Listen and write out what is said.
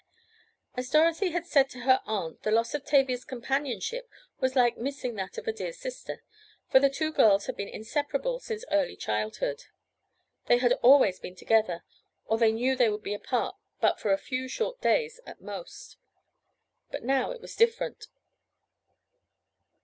As Dorothy had said to her aunt the loss of Tavia's companionship was like missing that of a dear sister, for the two girls had been inseparable since early childhood. They had always been together, or they knew they would be apart but for a few days at most. But now it was different.